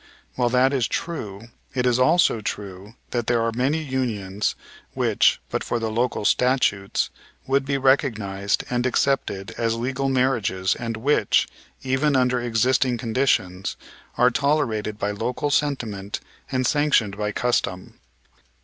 While that is true it is also true that there are many unions, which, but for the local statutes, would be recognized and accepted as legal marriages and which, even under existing conditions, are tolerated by local sentiment and sanctioned by custom.